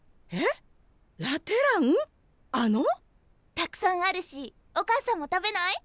たくさんあるしお母さんも食べない？